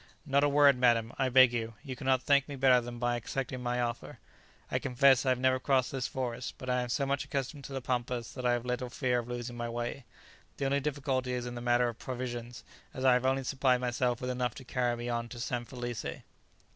"Not a word, madam, I beg you. You cannot thank me better than by accepting my offer. I confess I have never crossed this forest, but I am so much accustomed to the pampas that I have little fear of losing my way. The only difficulty is in the matter of provisions, as I have only supplied myself with enough to carry me on to San Felice."